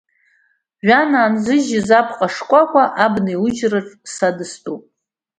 Жәҩан аанзыжьыз аԥҟа шкәакәа, абна еиужьраҿ са дыстәуп!